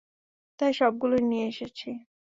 তাই সবগুলোই নিয়ে এসেছি।